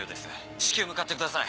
至急向かってください。